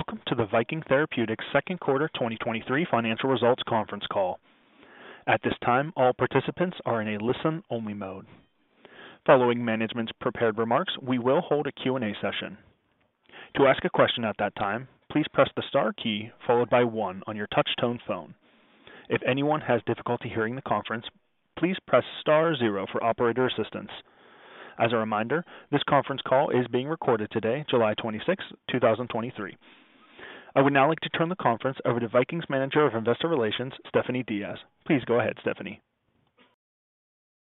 Welcome to the Viking Therapeutics Second Quarter 2023 Financial Results Conference Call. At this time, all participants are in a listen-only mode. Following management's prepared remarks, we will hold a Q&A session. To ask a question at that time, please press the star key followed by 1 on your touchtone phone. If anyone has difficulty hearing the conference, please press star 0 for operator assistance. As a reminder, this conference call is being recorded today, July 26th, 2023. I would now like to turn the conference over to Viking's Manager of Investor Relations, Stephanie Diaz. Please go ahead, Stephanie.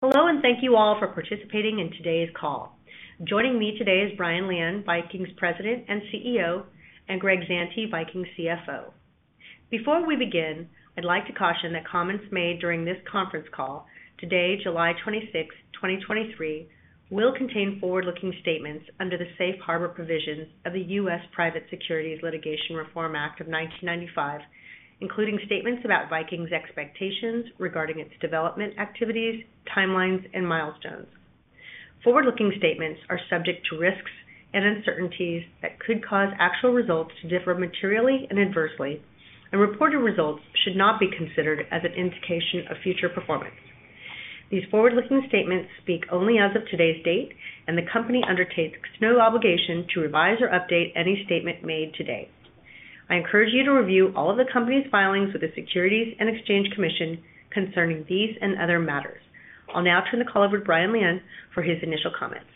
Hello, thank you all for participating in today's call. Joining me today is Brian Lian, Viking's President and CEO, and Greg Zante, Viking's CFO. Before we begin, I'd like to caution that comments made during this conference call today, July 26, 2023, will contain forward-looking statements under the safe harbor provisions of the U.S. Private Securities Litigation Reform Act of 1995, including statements about Viking's expectations regarding its development activities, timelines, and milestones. Forward-looking statements are subject to risks and uncertainties that could cause actual results to differ materially and adversely. Reported results should not be considered as an indication of future performance. These forward-looking statements speak only as of today's date. The company undertakes no obligation to revise or update any statement made today. I encourage you to review all of the company's filings with the Securities and Exchange Commission concerning these and other matters. I'll now turn the call over to Brian Lian for his initial comments.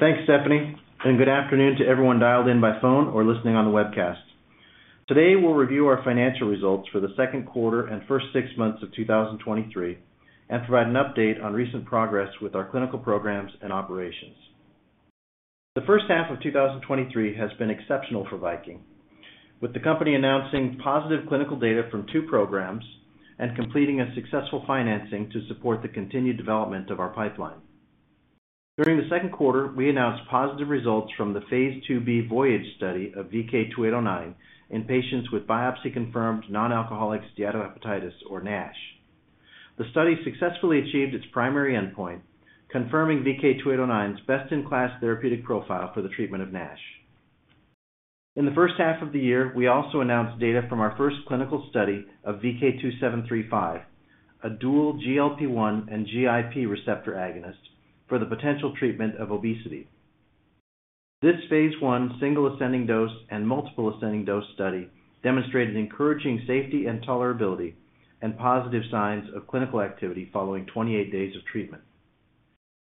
Thanks, Stephanie, good afternoon to everyone dialed in by phone or listening on the webcast. Today, we'll review our financial results for the second quarter and first six months of 2023 and provide an update on recent progress with our clinical programs and operations. The first half of 2023 has been exceptional for Viking, with the company announcing positive clinical data from two programs and completing a successful financing to support the continued development of our pipeline. During the second quarter, we announced positive results from the phase IIb VOYAGE study of VK2809 in patients with biopsy-confirmed non-alcoholic steatohepatitis, or NASH. The study successfully achieved its primary endpoint, confirming VK2809's best-in-class therapeutic profile for the treatment of NASH. In the first half of the year, we also announced data from our first clinical study of VK2735, a dual GLP-1 and GIP receptor agonist for the potential treatment of obesity. This phase I single ascending dose and multiple ascending dose study demonstrated encouraging safety and tolerability and positive signs of clinical activity following 28 days of treatment.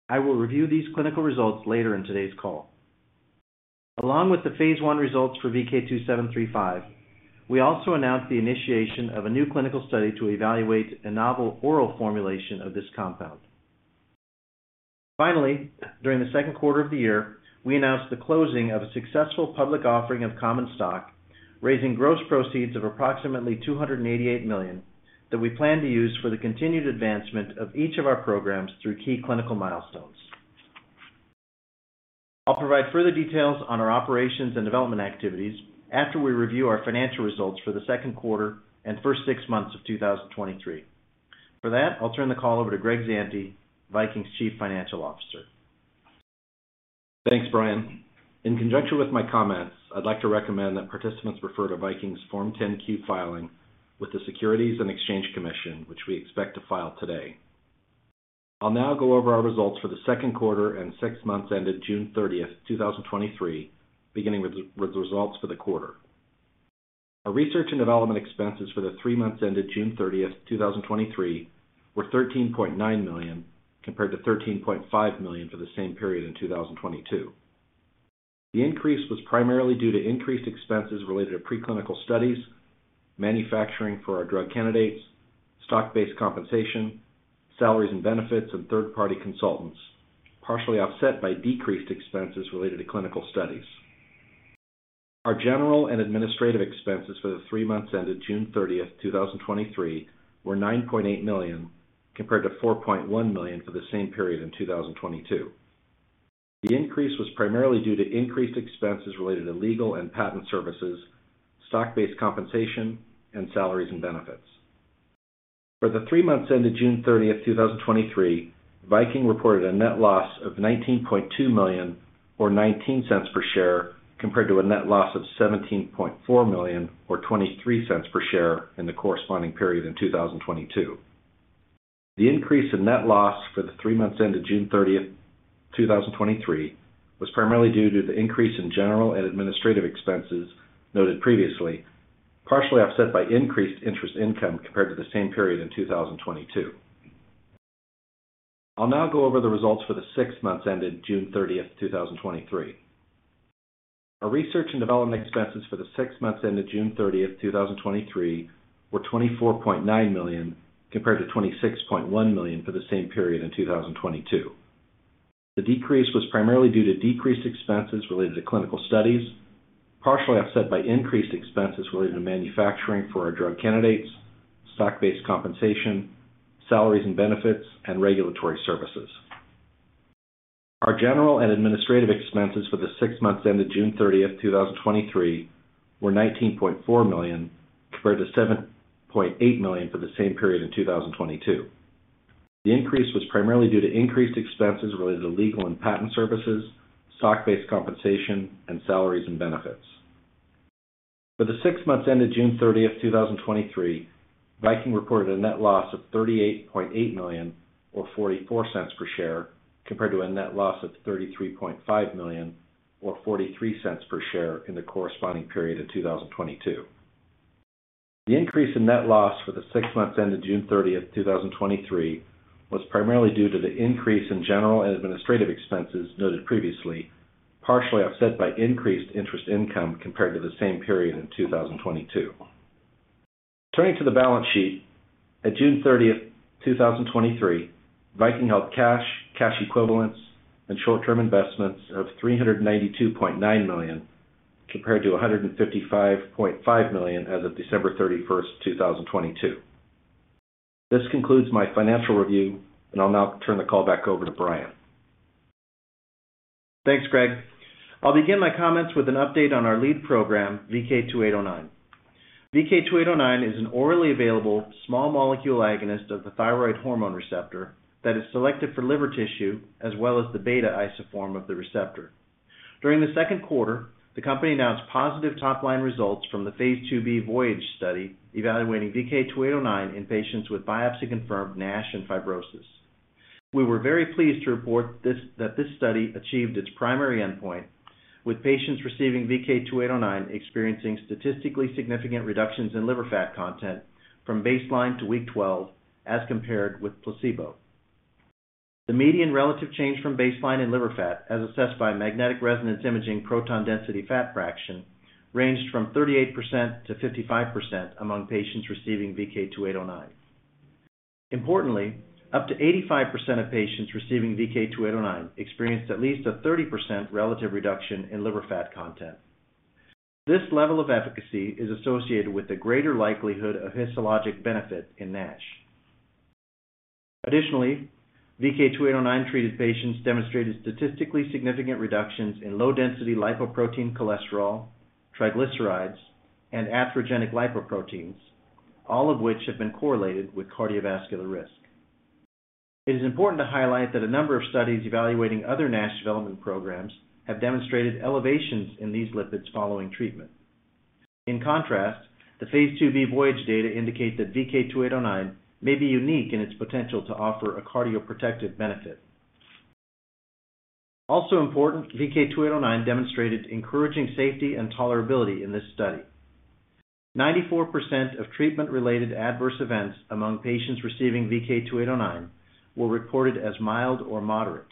I will review these clinical results later in today's call. Along with the phase I results for VK2735, we also announced the initiation of a new clinical study to evaluate a novel oral formulation of this compound. During the second quarter of the year, we announced the closing of a successful public offering of common stock, raising gross proceeds of approximately $288 million, that we plan to use for the continued advancement of each of our programs through key clinical milestones. I'll provide further details on our operations and development activities after we review our financial results for the second quarter and first six months of 2023. I'll turn the call over to Greg Zante, Viking's Chief Financial Officer. Thanks, Brian. In conjunction with my comments, I'd like to recommend that participants refer to Viking's Form 10-K filing with the Securities and Exchange Commission, which we expect to file today. I'll now go over our results for the second quarter and six months ended June 30, 2023, beginning with the results for the quarter. Our research and development expenses for the three months ended June 30, 2023, were $13.9 million, compared to $13.5 million for the same period in 2022. The increase was primarily due to increased expenses related to preclinical studies, manufacturing for our drug candidates, stock-based compensation, salaries and benefits, and third-party consultants, partially offset by decreased expenses related to clinical studies. Our general and administrative expenses for the 3 months ended June 30th, 2023, were $9.8 million, compared to $4.1 million for the same period in 2022. The increase was primarily due to increased expenses related to legal and patent services, stock-based compensation, and salaries and benefits. For the 3 months ended June 30th, 2023, Viking reported a net loss of $19.2 million, or $0.19 per share, compared to a net loss of $17.4 million, or $0.23 per share in the corresponding period in 2022. The increase in net loss for the 3 months ended June 30th, 2023, was primarily due to the increase in general and administrative expenses noted previously, partially offset by increased interest income compared to the same period in 2022. I'll now go over the results for the six months ended June 30th, 2023. Our research and development expenses for the six months ended June 30th, 2023, were $24.9 million, compared to $26.1 million for the same period in 2022. The decrease was primarily due to decreased expenses related to clinical studies, partially offset by increased expenses related to manufacturing for our drug candidates, stock-based compensation, salaries and benefits, and regulatory services. Our general and administrative expenses for the six months ended June 30th, 2023, were $19.4 million, compared to $7.8 million for the same period in 2022. The increase was primarily due to increased expenses related to legal and patent services, stock-based compensation, and salaries and benefits. For the six months ended June 30th, 2023, Viking reported a net loss of $38.8 million, or $0.44 per share, compared to a net loss of $33.5 million, or $0.43 per share in the corresponding period of 2022. The increase in net loss for the six months ended June 30th, 2023, was primarily due to the increase in general and administrative expenses noted previously, partially offset by increased interest income compared to the same period in 2022. Turning to the balance sheet, at June 30th, 2023, Viking held cash equivalents, and short-term investments of $392.9 million, compared to $155.5 million as of December thirty-first, 2022. This concludes my financial review, and I'll now turn the call back over to Brian. Thanks, Greg. I'll begin my comments with an update on our lead program, VK2809. VK2809 is an orally available small molecule agonist of the thyroid hormone receptor that is selected for liver tissue, as well as the beta isoform of the receptor. During the second quarter, the company announced positive top-line results from the phase IIb VOYAGE study evaluating VK2809 in patients with biopsy-confirmed NASH and fibrosis. We were very pleased to report that this study achieved its primary endpoint, with patients receiving VK2809 experiencing statistically significant reductions in liver fat content from baseline to week 12 as compared with placebo. The median relative change from baseline in liver fat, as assessed by Magnetic Resonance Imaging Proton Density Fat Fraction, ranged from 38%-55% among patients receiving VK2809. Importantly, up to 85% of patients receiving VK2809 experienced at least a 30% relative reduction in liver fat content. This level of efficacy is associated with a greater likelihood of histologic benefit in NASH. VK2809-treated patients demonstrated statistically significant reductions in low-density lipoprotein cholesterol, triglycerides, and atherogenic lipoproteins, all of which have been correlated with cardiovascular risk. It is important to highlight that a number of studies evaluating other NASH development programs have demonstrated elevations in these lipids following treatment. The phase IIb VOYAGE data indicate that VK2809 may be unique in its potential to offer a cardioprotective benefit. VK2809 demonstrated encouraging safety and tolerability in this study. 94% of treatment-related adverse events among patients receiving VK2809 were reported as mild or moderate.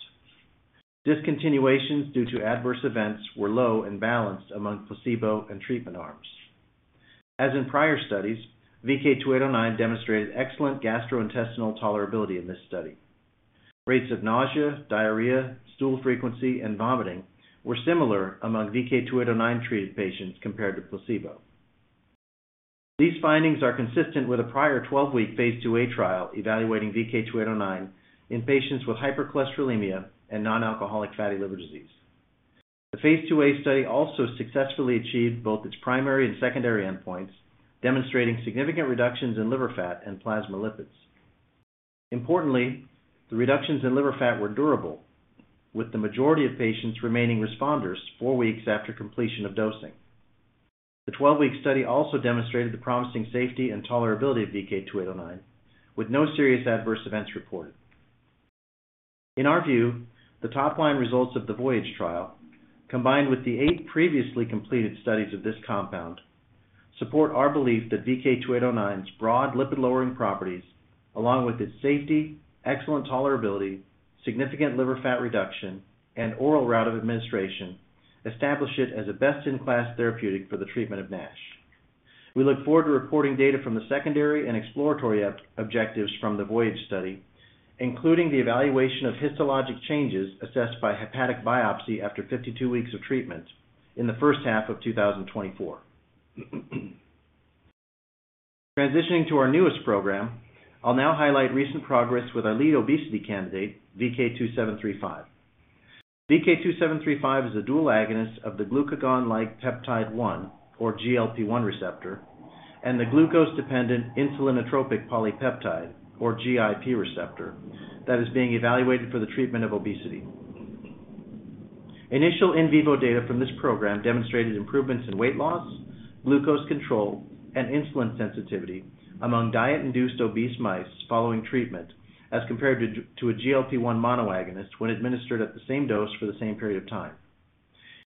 Discontinuations due to adverse events were low and balanced among placebo and treatment arms. As in prior studies, VK2809 demonstrated excellent gastrointestinal tolerability in this study. Rates of nausea, diarrhea, stool frequency, and vomiting were similar among VK2809-treated patients compared to placebo. These findings are consistent with a prior 12-week phase IIa trial evaluating VK2809 in patients with hypercholesterolemia and non-alcoholic fatty liver disease. The phase IIa study also successfully achieved both its primary and secondary endpoints, demonstrating significant reductions in liver fat and plasma lipids. Importantly, the reductions in liver fat were durable, with the majority of patients remaining responders 4 weeks after completion of dosing. The 12-week study also demonstrated the promising safety and tolerability of VK2809, with no serious adverse events reported. In our view, the top-line results of the VOYAGE trial, combined with the eight previously completed studies of this compound, support our belief that VK2809's broad lipid-lowering properties, along with its safety, excellent tolerability, significant liver fat reduction, and oral route of administration, establish it as a best-in-class therapeutic for the treatment of NASH. We look forward to reporting data from the secondary and exploratory objectives from the VOYAGE study, including the evaluation of histologic changes assessed by hepatic biopsy after 52 weeks of treatment in the first half of 2024. Transitioning to our newest program, I'll now highlight recent progress with our lead obesity candidate, VK2735. VK2735 is a dual agonist of the glucagon-like peptide-1 or GLP-1 receptor, and the glucose-dependent insulinotropic polypeptide, or GIP receptor, that is being evaluated for the treatment of obesity. Initial in vivo data from this program demonstrated improvements in weight loss, glucose control, and insulin sensitivity among diet-induced obese mice following treatment, as compared to a GLP-1 monoagonist when administered at the same dose for the same period of time.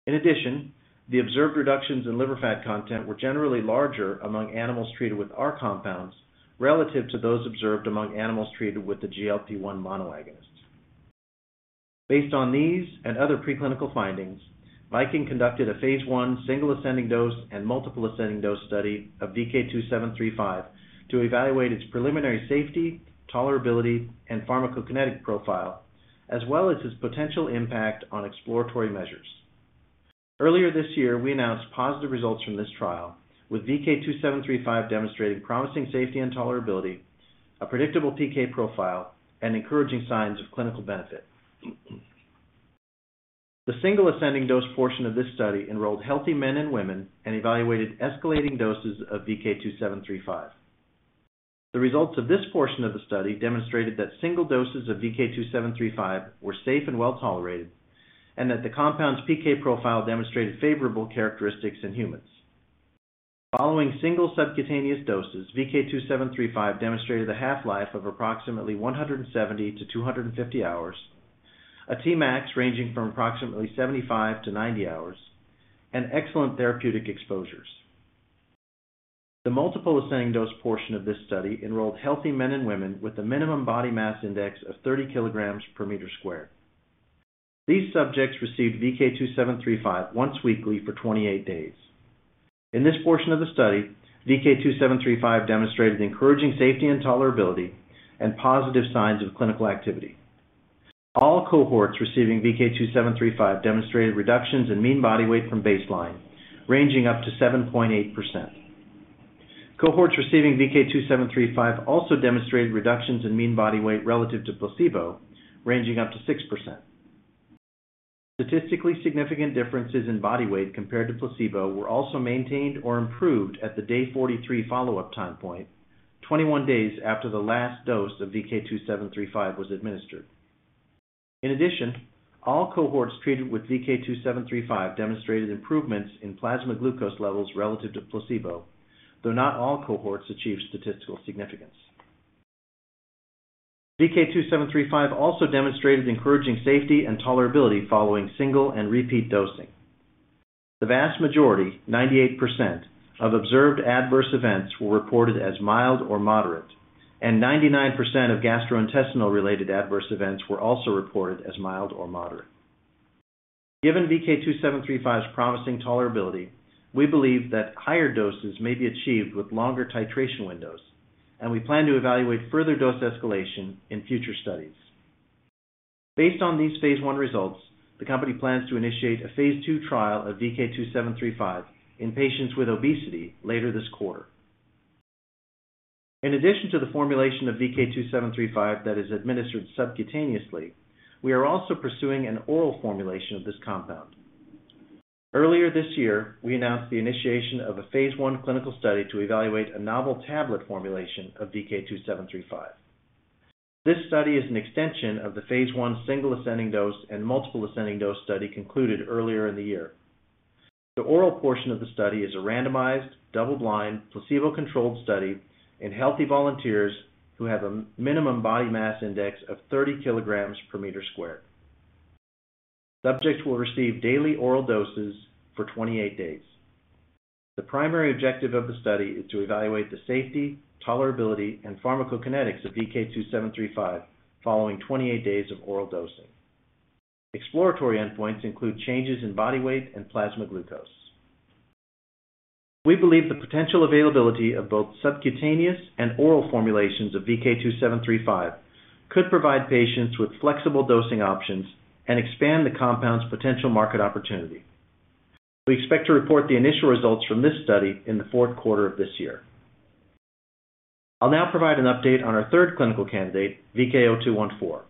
In addition, the observed reductions in liver fat content were generally larger among animals treated with our compounds relative to those observed among animals treated with the GLP-1 monoagonist. Based on these and other preclinical findings, Viking conducted a phase I single ascending dose and multiple ascending dose study of VK2735 to evaluate its preliminary safety, tolerability, and pharmacokinetic profile, as well as its potential impact on exploratory measures. Earlier this year, we announced positive results from this trial, with VK2735 demonstrating promising safety and tolerability, a predictable PK profile, and encouraging signs of clinical benefit. ... The single ascending dose portion of this study enrolled healthy men and women and evaluated escalating doses of VK2735. The results of this portion of the study demonstrated that single doses of VK2735 were safe and well-tolerated, and that the compound's PK profile demonstrated favorable characteristics in humans. Following single subcutaneous doses, VK2735 demonstrated a half-life of approximately 170-250 hours, a Cmax ranging from approximately 75-90 hours, and excellent therapeutic exposures. The multiple ascending dose portion of this study enrolled healthy men and women with a minimum body mass index of 30 kilograms per meter squared. These subjects received VK2735 once weekly for 28 days. In this portion of the study, VK2735 demonstrated encouraging safety and tolerability and positive signs of clinical activity. All cohorts receiving VK2735 demonstrated reductions in mean body weight from baseline, ranging up to 7.8%. Cohorts receiving VK2735 also demonstrated reductions in mean body weight relative to placebo, ranging up to 6%. Statistically significant differences in body weight compared to placebo were also maintained or improved at the day 43 follow-up time point, 21 days after the last dose of VK2735 was administered. All cohorts treated with VK2735 demonstrated improvements in plasma glucose levels relative to placebo, though not all cohorts achieved statistical significance. VK2735 also demonstrated encouraging safety and tolerability following single and repeat dosing. The vast majority, 98%, of observed adverse events were reported as mild or moderate, and 99% of gastrointestinal-related adverse events were also reported as mild or moderate. Given VK2735's promising tolerability, we believe that higher doses may be achieved with longer titration windows, and we plan to evaluate further dose escalation in future studies. Based on these phase one results, the company plans to initiate a phase two trial of VK2735 in patients with obesity later this quarter. In addition to the formulation of VK2735 that is administered subcutaneously, we are also pursuing an oral formulation of this compound. Earlier this year, we announced the initiation of a phase one clinical study to evaluate a novel tablet formulation of VK2735. This study is an extension of the phase one single ascending dose and multiple ascending dose study concluded earlier in the year. The oral portion of the study is a randomized, double-blind, placebo-controlled study in healthy volunteers who have a minimum body mass index of 30 kilograms per meter squared. Subjects will receive daily oral doses for 28 days. The primary objective of the study is to evaluate the safety, tolerability, and pharmacokinetics of VK2735 following 28 days of oral dosing. Exploratory endpoints include changes in body weight and plasma glucose. We believe the potential availability of both subcutaneous and oral formulations of VK2735 could provide patients with flexible dosing options and expand the compound's potential market opportunity. We expect to report the initial results from this study in the fourth quarter of this year. I'll now provide an update on our third clinical candidate, VK0214.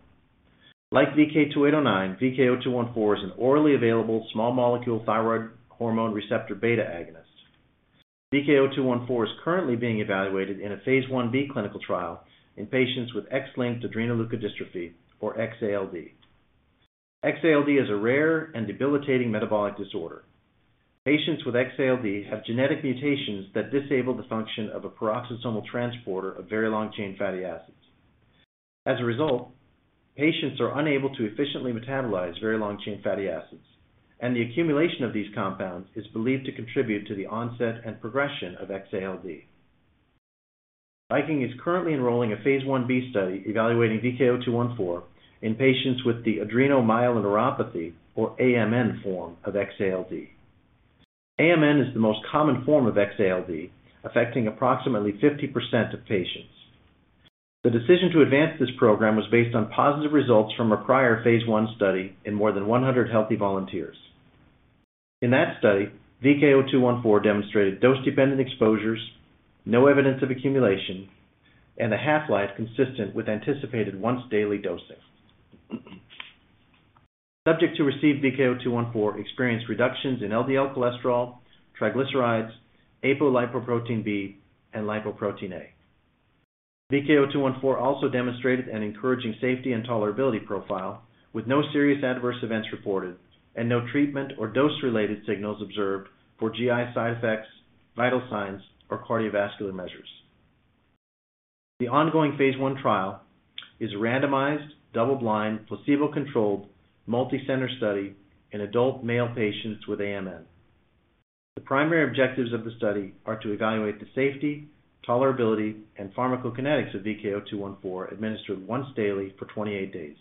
Like VK2809, VK0214 is an orally available, small molecule thyroid hormone receptor beta agonist. VK0214 is currently being evaluated in a phase Ib clinical trial in patients with X-linked adrenoleukodystrophy, or XALD. XALD is a rare and debilitating metabolic disorder. Patients with XALD have genetic mutations that disable the function of a peroxisomal transporter of very-long-chain fatty acids. As a result, patients are unable to efficiently metabolize very-long-chain fatty acids, and the accumulation of these compounds is believed to contribute to the onset and progression of XALD. Viking is currently enrolling a phase Ib study evaluating VK0214 in patients with the Adrenomyeloneuropathy, or AMN, form of XALD. AMN is the most common form of XALD, affecting approximately 50% of patients. The decision to advance this program was based on positive results from a prior phase I study in more than 100 healthy volunteers. In that study, VK0214 demonstrated dose-dependent exposures, no evidence of accumulation, and a half-life consistent with anticipated once-daily dosing. Subjects who received VK0214 experienced reductions in LDL cholesterol, triglycerides, Apolipoprotein B, and Lipoprotein(a). VK0214 also demonstrated an encouraging safety and tolerability profile, with no serious adverse events reported and no treatment or dose-related signals observed for GI side effects, vital signs, or cardiovascular measures. The ongoing phase I trial is a randomized, double-blind, placebo-controlled, multicenter study in adult male patients with AMN. The primary objectives of the study are to evaluate the safety, tolerability, and pharmacokinetics of VK0214, administered once daily for 28 days.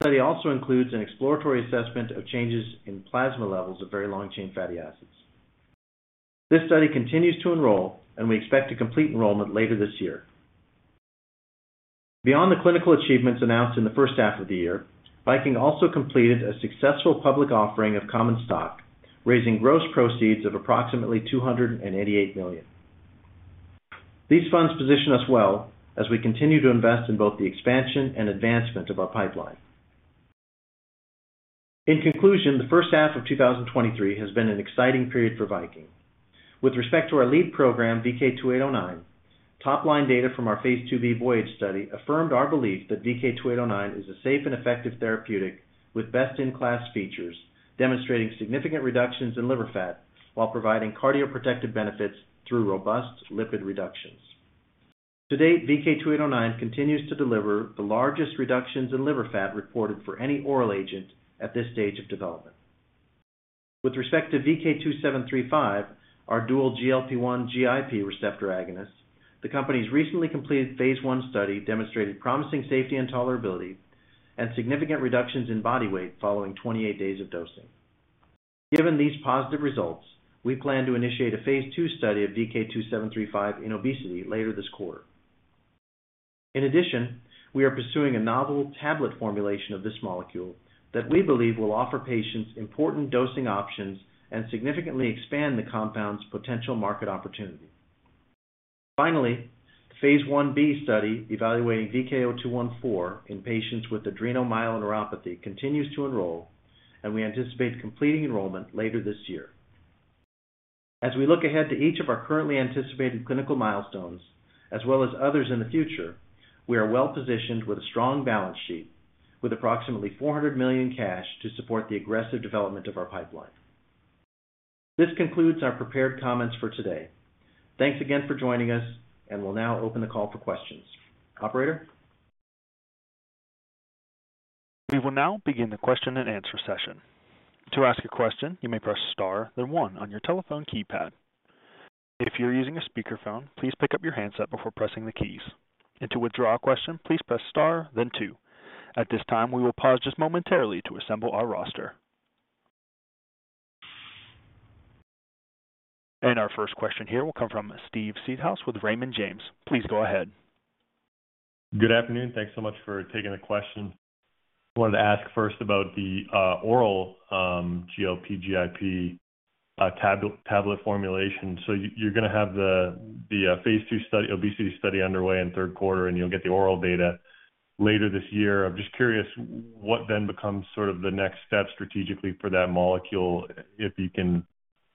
The study also includes an exploratory assessment of changes in plasma levels of very-long-chain fatty acids. This study continues to enroll. We expect to complete enrollment later this year. Beyond the clinical achievements announced in the first half of the year, Viking also completed a successful public offering of common stock, raising gross proceeds of approximately $288 million. These funds position us well as we continue to invest in both the expansion and advancement of our pipeline. In conclusion, the first half of 2023 has been an exciting period for Viking. With respect to our lead program, VK2809, top-line data from our phase IIb VOYAGE study affirmed our belief that VK2809 is a safe and effective therapeutic with best-in-class features, demonstrating significant reductions in liver fat while providing cardioprotective benefits through robust lipid reductions. To date, VK2809 continues to deliver the largest reductions in liver fat reported for any oral agent at this stage of development. With respect to VK2735, our dual GLP-1/GIP receptor agonist, the company's recently completed phase I study demonstrated promising safety and tolerability and significant reductions in body weight following 28 days of dosing. Given these positive results, we plan to initiate a phase II study of VK2735 in obesity later this quarter. In addition, we are pursuing a novel tablet formulation of this molecule that we believe will offer patients important dosing options and significantly expand the compound's potential market opportunity. Finally, the phase Ib study evaluating VK0214 in patients with adrenomyeloneuropathy continues to enroll, and we anticipate completing enrollment later this year. As we look ahead to each of our currently anticipated clinical milestones, as well as others in the future, we are well-positioned with a strong balance sheet, with approximately $400 million cash to support the aggressive development of our pipeline. This concludes our prepared comments for today. Thanks again for joining us, and we'll now open the call for questions. Operator? We will now begin the question-and-answer session. To ask a question, you may press star, then one on your telephone keypad. If you're using a speakerphone, please pick up your handset before pressing the keys. To withdraw a question, please press star, then two. At this time, we will pause just momentarily to assemble our roster. Our first question here will come from Steven Seedhouse with Raymond James. Please go ahead. Good afternoon. Thanks so much for taking the question. Wanted to ask first about the oral GLP-GIP tablet formulation. You, you're gonna have the phase II study, obesity study underway in third quarter, and you'll get the oral data later this year. I'm just curious, what then becomes sort of the next step strategically for that molecule, if you can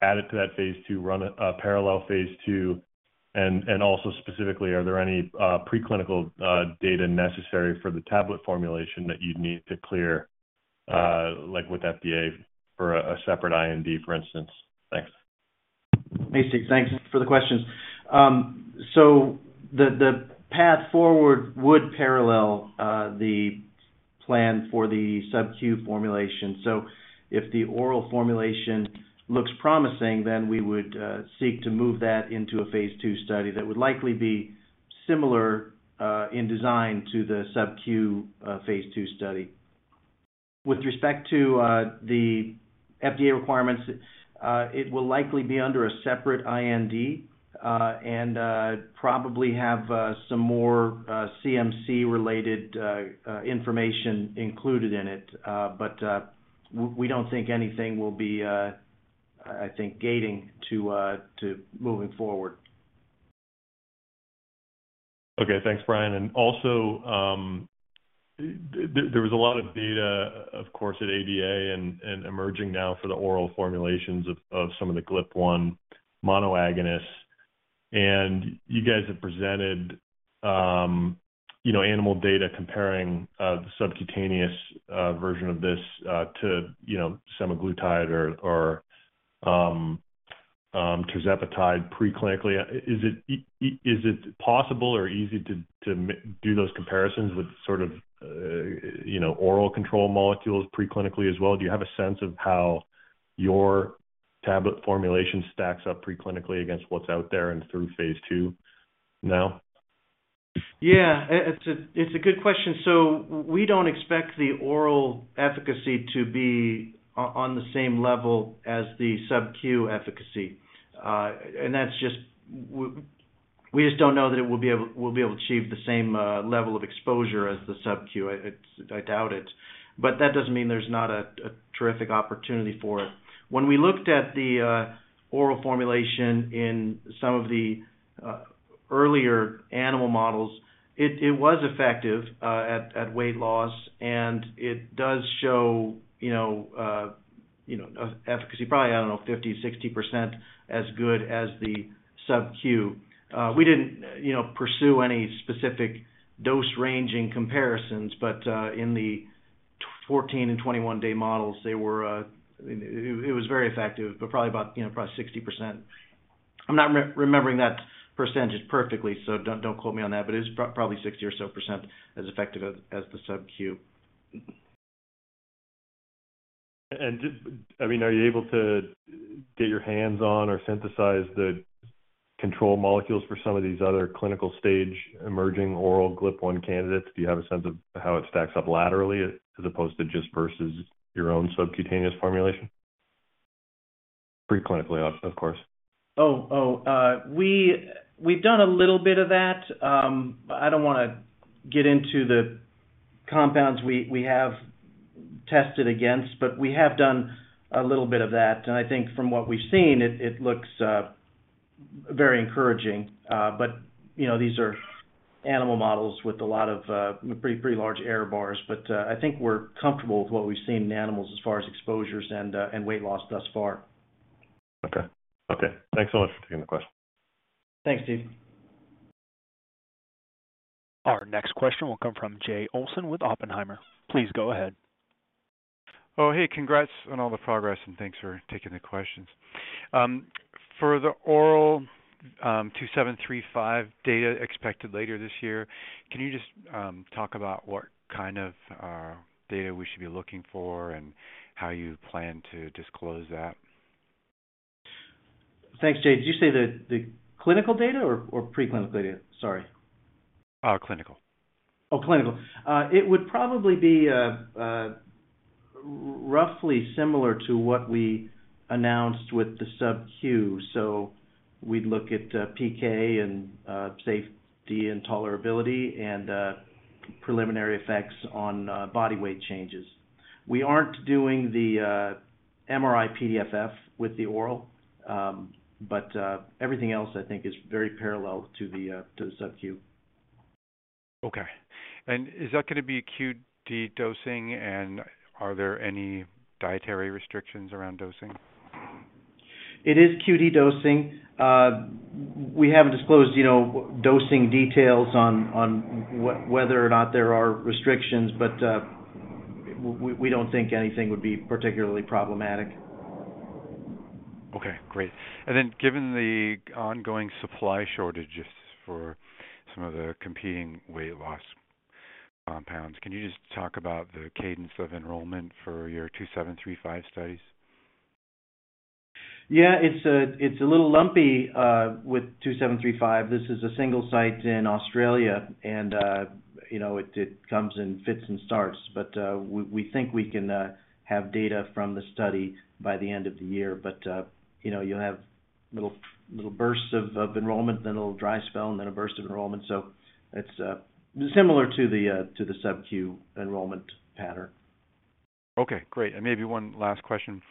add it to that phase II, run it, parallel phase II? Also specifically, are there any preclinical data necessary for the tablet formulation that you'd need to clear, like with FDA for a separate IND, for instance? Thanks. Hey, Steve. Thanks for the questions. The path forward would parallel the plan for the subq formulation. If the oral formulation looks promising, then we would seek to move that into a phase II study that would likely be similar in design to the subq phase II study. With respect to the FDA requirements, it will likely be under a separate IND and probably have some more CMC-related information included in it. We don't think anything will be, I think, gating to moving forward. Okay. Thanks, Brian. Also, there was a lot of data, of course, at ADA and emerging now for the oral formulations of some of the GLP-1 monoagonists. You guys have presented, you know, animal data comparing the subcutaneous version of this to, you know, semaglutide or tirzepatide preclinically. Is it possible or easy to do those comparisons with sort of, you know, oral control molecules preclinically as well? Do you have a sense of how your tablet formulation stacks up preclinically against what's out there and through phase II now? Yeah, it's a good question. We don't expect the oral efficacy to be on the same level as the subq efficacy. That's just we just don't know that it will be able, we'll be able to achieve the same level of exposure as the subq. I doubt it. That doesn't mean there's not a terrific opportunity for it. When we looked at the oral formulation in some of the earlier animal models, it was effective at weight loss, and it does show, you know, you know, efficacy, probably, I don't know, 50%, 60% as good as the subq. We didn't, you know, pursue any specific dose-ranging comparisons, but in the 14- and 21-day models, they were. I mean, it was very effective, but probably about, you know, probably 60%. I'm not remembering that percentage perfectly, so don't quote me on that, but it's probably 60 or so % as effective as the subq. I mean, are you able to get your hands on or synthesize the control molecules for some of these other clinical-stage emerging oral GLP-1 candidates? Do you have a sense of how it stacks up laterally, as opposed to just versus your own subcutaneous formulation? Preclinically, of course. We've done a little bit of that. I don't wanna get into the compounds we have test it against, but we have done a little bit of that. I think from what we've seen, it looks very encouraging. You know, these are animal models with a lot of pretty large error bars. I think we're comfortable with what we've seen in animals as far as exposures and weight loss thus far. Okay, thanks so much for taking the question. Thanks, Steve. Our next question will come from Jay Olson with Oppenheimer. Please go ahead. Oh, hey, congrats on all the progress, and thanks for taking the questions. For the oral, 2735 data expected later this year, can you just talk about what kind of data we should be looking for and how you plan to disclose that? Thanks, Jay. Did you say the clinical data or preclinical data? Sorry. Clinical. Clinical. It would probably be roughly similar to what we announced with the subq. We'd look at PK and safety and tolerability and preliminary effects on body weight changes. We aren't doing the MRI-PDFF with the oral, but everything else I think is very parallel to the subq. Okay. Is that going to be QD dosing, and are there any dietary restrictions around dosing? It is QD dosing. We haven't disclosed, you know, dosing details on whether or not there are restrictions. We don't think anything would be particularly problematic. Okay, great. Then, given the ongoing supply shortages for some of the competing weight loss compounds, can you just talk about the cadence of enrollment for your VK2735 studies? Yeah, it's a little lumpy, with VK2735. This is a single site in Australia and, you know, it comes in fits and starts. We think we can have data from the study by the end of the year. You know, you'll have little bursts of enrollment, then a little dry spell, and then a burst of enrollment. It's similar to the subq enrollment pattern. Okay, great. Maybe one last question.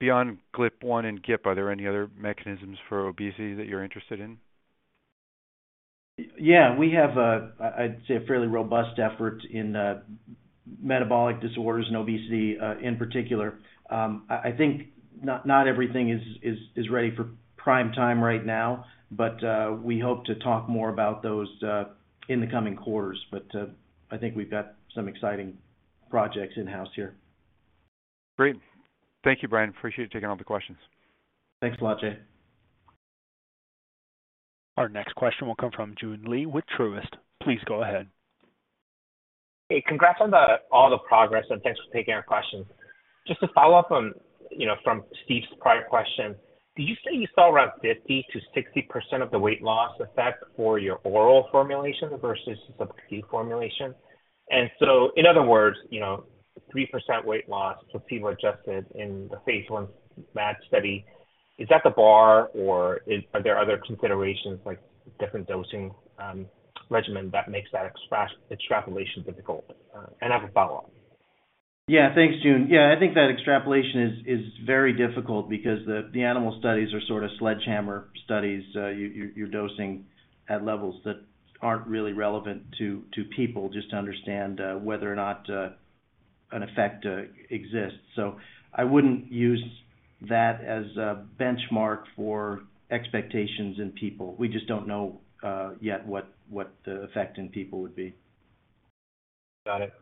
Beyond GLP-1 and GIP, are there any other mechanisms for obesity that you're interested in? We have a, I'd say, a fairly robust effort in metabolic disorders and obesity in particular. I think not everything is ready for prime time right now, but we hope to talk more about those in the coming quarters. I think we've got some exciting projects in-house here. Great. Thank you, Brian. Appreciate you taking all the questions. Thanks a lot, Jay. Our next question will come from Joon Lee with Truist. Please go ahead. Hey, congrats on the, all the progress. Thanks for taking our questions. Just to follow up on, you know, from Steve's prior question, did you say you saw around 50%-60% of the weight loss effect for your oral formulation versus subq formulation? In other words, you know, 3% weight loss for placebo adjusted in the phase I match study. Is that the bar, or are there other considerations, like different dosing regimen, that makes that extrapolation difficult? I have a follow-up. Yeah. Thanks, Joon. Yeah, I think that extrapolation is very difficult because the animal studies are sort of sledgehammer studies. You're dosing at levels that aren't really relevant to people just to understand whether or not an effect exists. I wouldn't use that as a benchmark for expectations in people. We just don't know yet what the effect in people would be. Got it.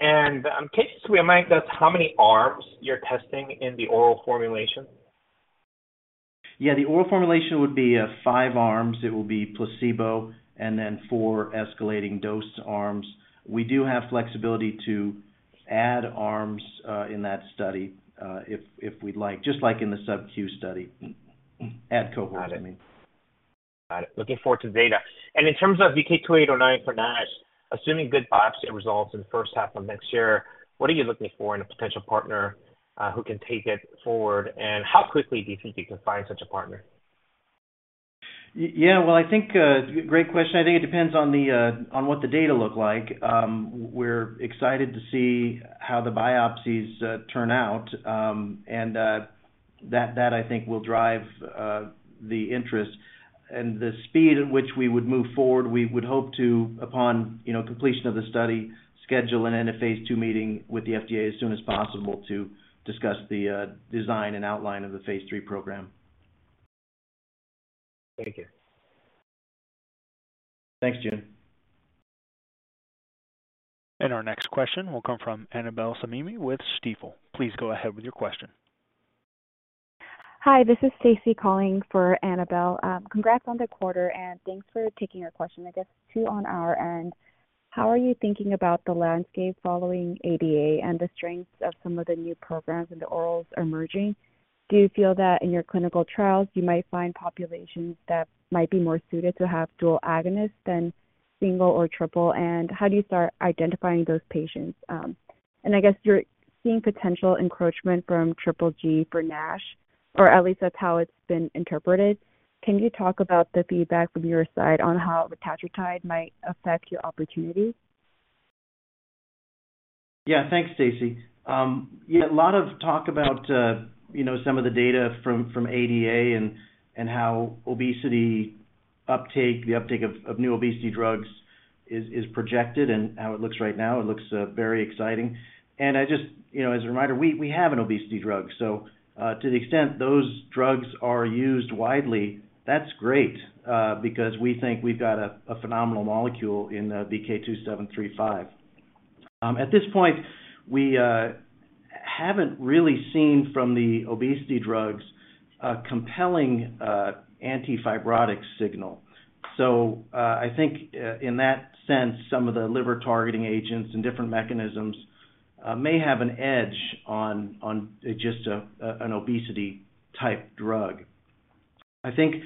Can you just remind us how many arms you're testing in the oral formulation? The oral formulation would be 5 arms. It will be placebo and then 4 escalating dose arms. We do have flexibility to add arms in that study if we'd like, just like in the subq study. Add cohorts, I mean. Got it. Looking forward to the data. In terms of VK2809 for NASH, assuming good biopsy results in the first half of next year, what are you looking for in a potential partner, who can take it forward, and how quickly do you think you can find such a partner? Yeah, well, I think great question. I think it depends on the on what the data look like. We're excited to see how the biopsies turn out, and that I think will drive the interest. The speed at which we would move forward, we would hope to, upon, you know, completion of the study, schedule an end a phase II meeting with the FDA as soon as possible to discuss the design and outline of the phase III program. Thank you. Thanks, Jun. Our next question will come from Annabel Samimy with Stifel. Please go ahead with your question. Hi, this is Stacy calling for Annabel. Congrats on the quarter, and thanks for taking our question. I guess two on our end: How are you thinking about the landscape following ADA and the strengths of some of the new programs and the orals emerging? Do you feel that in your clinical trials you might find populations that might be more suited to have dual agonists than single or triple, and how do you start identifying those patients? I guess you're seeing potential encroachment from triple G for NASH, or at least that's how it's been interpreted. Can you talk about the feedback from your side on how retatrutide might affect your opportunity? Yeah, thanks, Stacy. Yeah, a lot of talk about, you know, some of the data from ADA and how obesity uptake, the uptake of new obesity drugs is projected and how it looks right now. It looks very exciting. I just, you know, as a reminder, we have an obesity drug, so to the extent those drugs are used widely, that's great, because we think we've got a phenomenal molecule in VK2735. At this point, we haven't really seen from the obesity drugs a compelling anti-fibrotic signal. I think, in that sense, some of the liver-targeting agents and different mechanisms, may have an edge on just an obesity-type drug. I think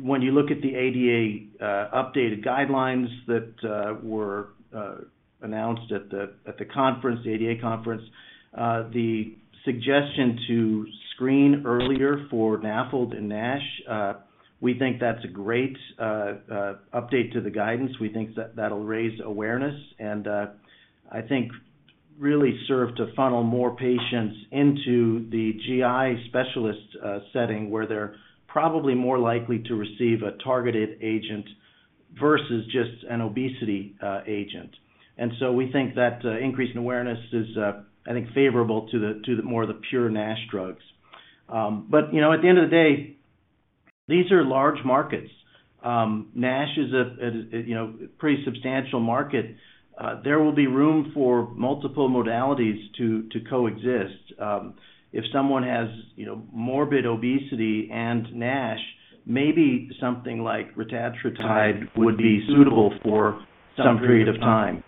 when you look at the ADA updated guidelines that were announced at the conference, the ADA conference, the suggestion to screen earlier for NAFLD and NASH, we think that's a great update to the guidance. We think that that'll raise awareness and I think really serve to funnel more patients into the GI specialist setting, where they're probably more likely to receive a targeted agent versus just an obesity agent. We think that increasing awareness is, I think, favorable to the more of the pure NASH drugs. You know, at the end of the day, these are large markets. NASH is a, you know, pretty substantial market. There will be room for multiple modalities to coexist. If someone has, you know, morbid obesity and NASH, maybe something like retatrutide would be suitable for some period of time.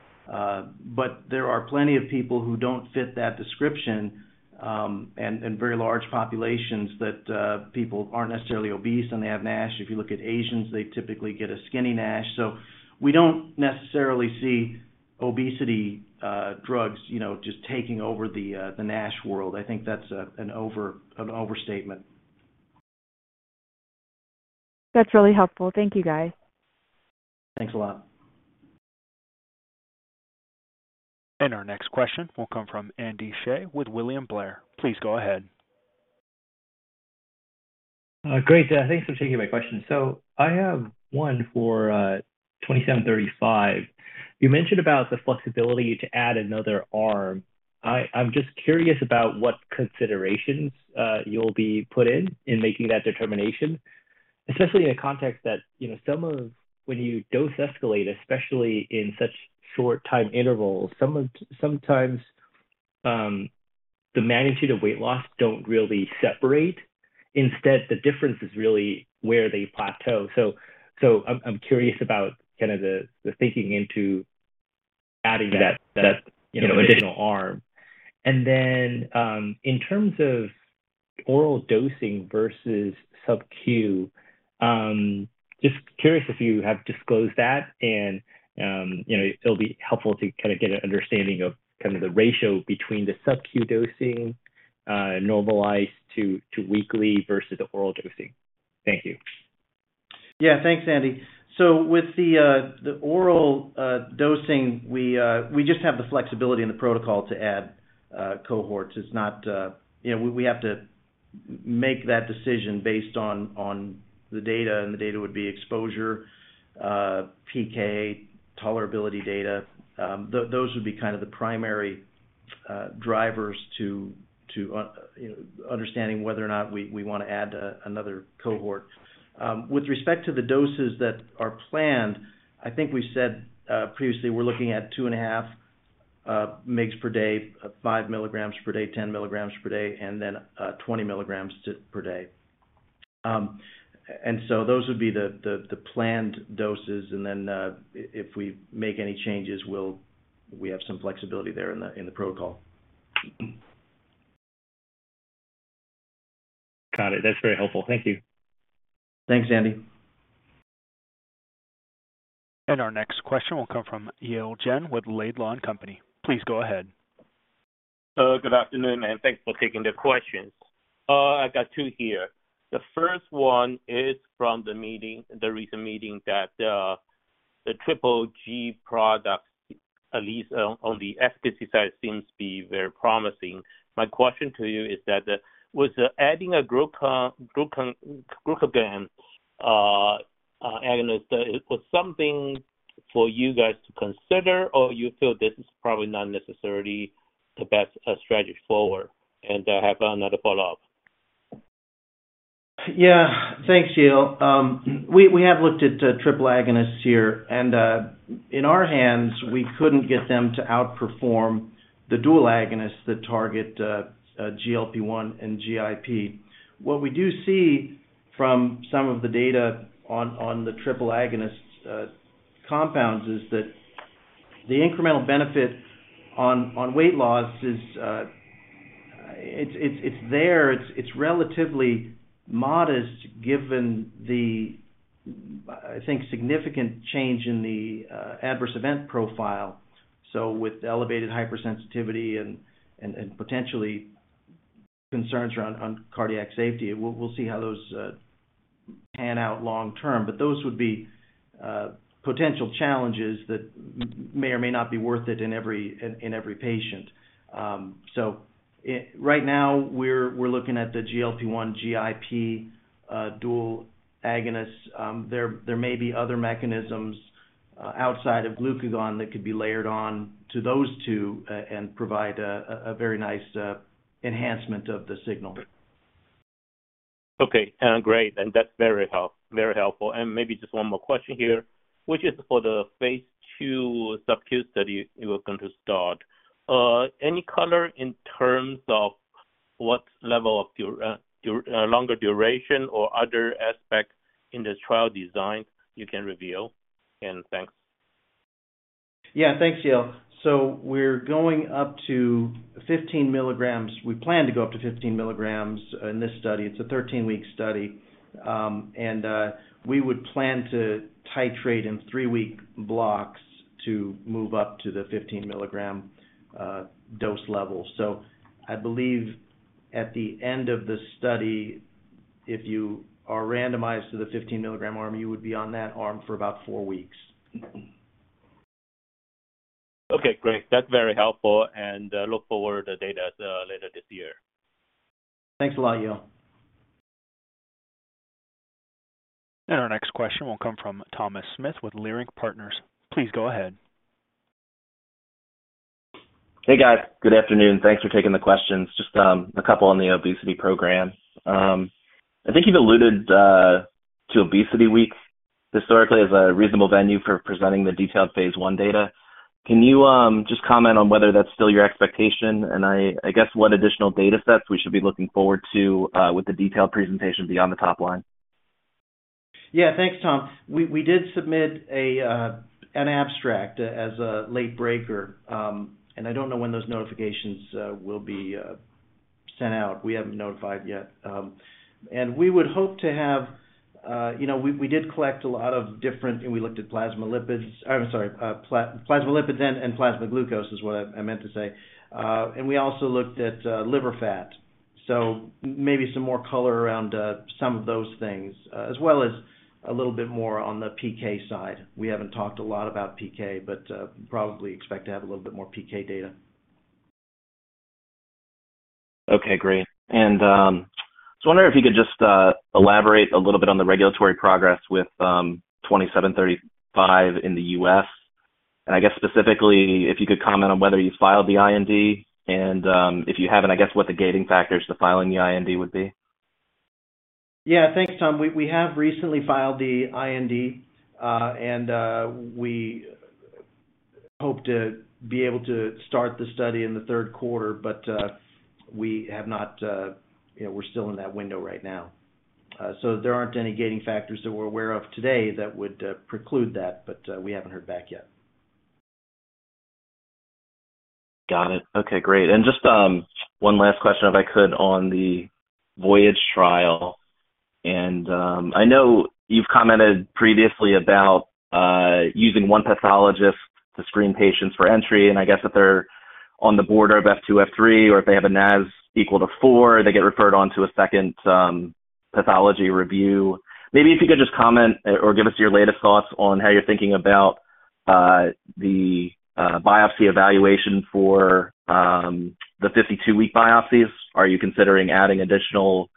There are plenty of people who don't fit that description, and very large populations that people aren't necessarily obese, and they have NASH. If you look at Asians, they typically get a skinny NASH. We don't necessarily see obesity drugs, you know, just taking over the NASH world. I think that's an overstatement. That's really helpful. Thank you, guys. Thanks a lot. Our next question will come from Andy Hsieh with William Blair. Please go ahead. Great, thanks for taking my question. I have 1 for VK2735. You mentioned about the flexibility to add another arm. I'm just curious about what considerations you'll be put in making that determination, especially in a context that, you know, sometimes the magnitude of weight loss don't really separate. Instead, the difference is really where they plateau. I'm curious about kind of the thinking into adding that, you know, additional arm. In terms of oral dosing versus sub Q, just curious if you have disclosed that and, you know, it'll be helpful to kind of get an understanding of kind of the ratio between the sub Q dosing normalized to weekly versus the oral dosing. Thank you. Thanks, Andy. With the oral dosing, we just have the flexibility in the protocol to add cohorts. It's not, you know, we have to make that decision based on the data, and the data would be exposure, PK, tolerability data. Those would be kind of the primary drivers to, you know, understanding whether or not we wanna add another cohort. With respect to the doses that are planned, I think we said previously, we're looking at 2.5 mgs per day, 5 milligrams per day, 10 milligrams per day, and then 20 milligrams to per day. Those would be the planned doses, and then, if we make any changes, we'll... We have some flexibility there in the protocol. Got it. That's very helpful. Thank you. Thanks, Andy. Our next question will come from Yale Jen with Laidlaw and Company. Please go ahead. Good afternoon, and thanks for taking the questions. I've got two here. The first one is from the meeting, the recent meeting that the triple G product, at least on the efficacy side, seems to be very promising. My question to you is that was adding a glucagon agonist was something for you guys to consider, or you feel this is probably not necessarily the best strategy forward? I have another follow-up. Thanks, Yale. We have looked at triple agonists here, and in our hands, we couldn't get them to outperform the dual agonists that target GLP-1 and GIP. What we do see from some of the data on the triple agonist compounds is that the incremental benefit on weight loss is there. It's relatively modest given I think, significant change in the adverse event profile. With elevated hypersensitivity and potentially concerns around on cardiac safety, we'll see how those pan out long term. Those would be potential challenges that may or may not be worth it in every patient. Right now, we're looking at the GLP-1, GIP dual agonist. There may be other mechanisms outside of glucagon that could be layered on to those two and provide a very nice enhancement of the signal. Okay, great. That's very helpful. Maybe just one more question here, which is for the phase II sub-Q study you are going to start. Any color in terms of what level of longer duration or other aspects in this trial design you can reveal? Thanks. Yeah, thanks, Yale. We're going up to 15 milligrams. We plan to go up to 15 milligrams in this study. It's a 13-week study. We would plan to titrate in 3-week blocks to move up to the 15-milligram dose level. I believe at the end of the study, if you are randomized to the 15-milligram arm, you would be on that arm for about 4 weeks. Okay, great. That's very helpful, and, look forward to the data, later this year. Thanks a lot, Yale. Our next question will come from Thomas Smith with LifeSci Partners. Please go ahead. Hey, guys. Good afternoon. Thanks for taking the questions. Just a couple on the obesity program. I think you've alluded to ObesityWeek historically as a reasonable venue for presenting the detailed phase I data. Can you just comment on whether that's still your expectation? I guess what additional data sets we should be looking forward to with the detailed presentation beyond the top line? Yeah. Thanks, Tom. We did submit an abstract as a late breaker. I don't know when those notifications will be sent out. We haven't been notified yet. We would hope to have, you know, we did collect a lot of different... We looked at plasma lipids, I'm sorry, plasma lipids and plasma glucose is what I meant to say. We also looked at liver fat. Maybe some more color around some of those things, as well as a little bit more on the PK side. We haven't talked a lot about PK, but probably expect to have a little bit more PK data. Okay, great. I wonder if you could just elaborate a little bit on the regulatory progress with VK2735 in the U.S. I guess specifically, if you could comment on whether you filed the IND and, if you haven't, I guess, what the gating factors to filing the IND would be? Yeah. Thanks, Tom. We have recently filed the IND, and we hope to be able to start the study in the third quarter, but we have not, you know, we're still in that window right now. There aren't any gating factors that we're aware of today that would preclude that, but we haven't heard back yet. Got it. Okay, great. Just 1 last question, if I could, on the VOYAGE trial. I know you've commented previously about using 1 pathologist to screen patients for entry, and I guess if they're on the border of F2, F3, or if they have a NAS equal to 4, they get referred on to a 2nd pathology review. Maybe if you could just comment or give us your latest thoughts on how you're thinking about the biopsy evaluation for the 52-week biopsies. Are you considering adding additional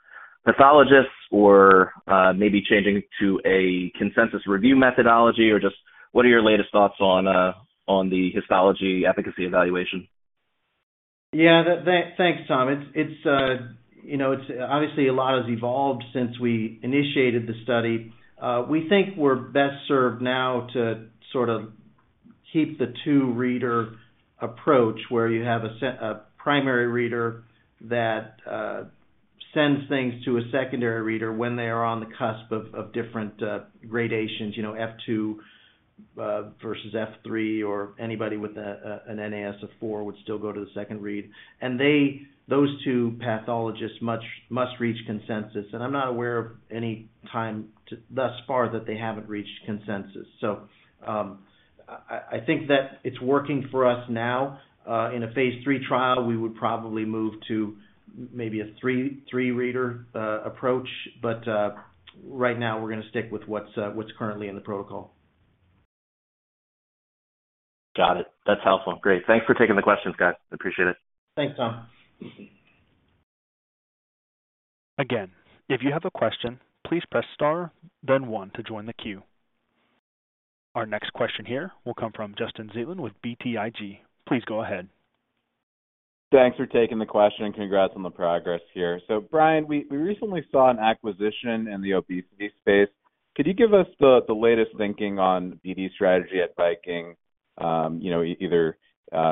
pathologists or maybe changing to a consensus review methodology? Just what are your latest thoughts on the histology efficacy evaluation? Yeah, thanks, Tom. It's, you know, it's obviously a lot has evolved since we initiated the study. We think we're best served now to sort of keep the two-reader approach, where you have a primary reader that sends things to a secondary reader when they are on the cusp of different gradations, you know, F2 versus F3, or anybody with an NAS of 4 would still go to the second read. Those two pathologists must reach consensus, and I'm not aware of any time thus far that they haven't reached consensus. I think that it's working for us now. In a phase III trial, we would probably move to maybe a 3-reader approach, but right now, we're going to stick with what's currently in the protocol. Got it. That's helpful. Great. Thanks for taking the questions, guys. I appreciate it. Thanks, Thomas. Again, if you have a question, please press Star, then one to join the queue. Our next question here will come from Justin Zelin with BTIG. Please go ahead. Thanks for taking the question. Congrats on the progress here. Brian, we recently saw an acquisition in the obesity space. Could you give us the latest thinking on BD's strategy at Viking? You know, either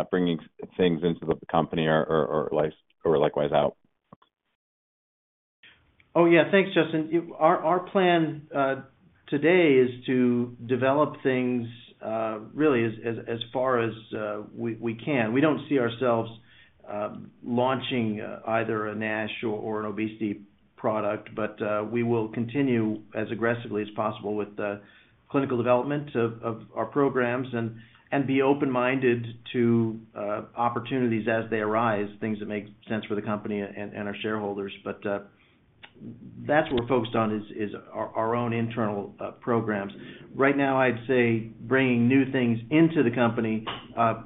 bringing things into the company or like, or likewise out? Oh, yeah. Thanks, Justin. Our plan today is to develop things really as far as we can. We don't see ourselves launching either a NASH or an obesity product, but we will continue as aggressively as possible with the clinical development of our programs and be open-minded to opportunities as they arise, things that make sense for the company and our shareholders. That's what we're focused on, is our own internal programs. Right now, I'd say bringing new things into the company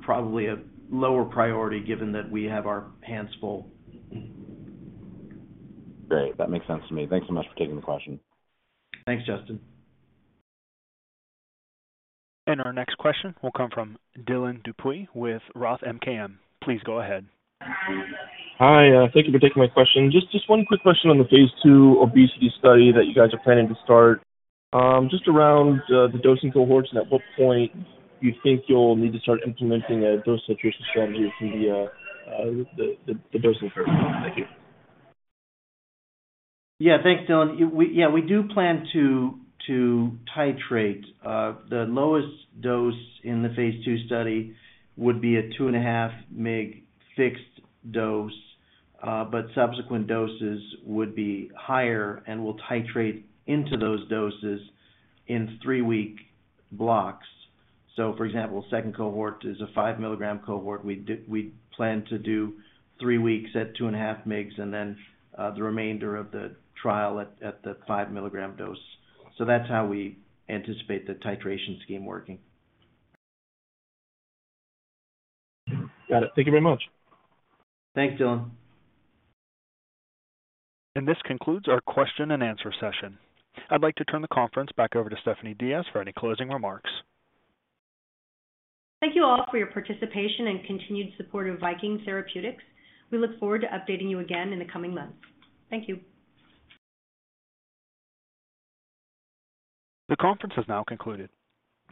probably a lower priority, given that we have our hands full. Great, that makes sense to me. Thanks so much for taking the question. Thanks, Justin. Our next question will come from Dylan Duprez with ROTH MKM. Please go ahead. Hi, thank you for taking my question. Just one quick question on the phase II obesity study that you guys are planning to start. Just around the dosing cohorts and at what point you think you'll need to start implementing a dose titration strategy for the dosing curve. Thank you. Thanks, Dylan. We do plan to titrate. The lowest dose in the phase II study would be a 2.5 mg fixed dose, but subsequent doses would be higher, and we'll titrate into those doses in 3-week blocks. For example, second cohort is a 5-milligram cohort. We plan to do 3 weeks at 2.5 mgs, and then the remainder of the trial at the 5-milligram dose. That's how we anticipate the titration scheme working. Got it. Thank you very much. Thanks, Dylan. This concludes our question and answer session. I'd like to turn the conference back over to Stephanie Diaz for any closing remarks. Thank you all for your participation and continued support of Viking Therapeutics. We look forward to updating you again in the coming months. Thank you. The conference has now concluded.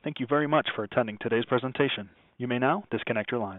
Thank you very much for attending today's presentation. You may now disconnect your lines.